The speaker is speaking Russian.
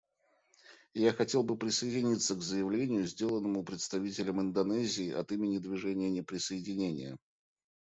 Я хотел бы присоединиться к заявлению, сделанному представителем Индонезии от имени Движения неприсоединения.